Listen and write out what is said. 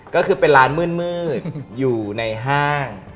ก็คือเป็นร้านมืดอยู่ในห้าง